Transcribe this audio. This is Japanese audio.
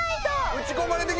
打ち込まれてきた！